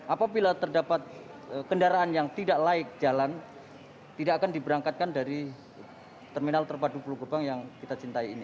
apabila terdapat kendaraan yang tidak laik jalan tidak akan diberangkatkan dari terminal terpadu pulau gebang yang kita cintai ini